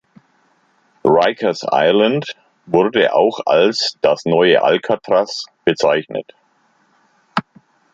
Rikers Island wurde auch als das „neue Alcatraz“ bezeichnet.